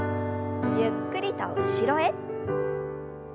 ゆっくりと後ろへ。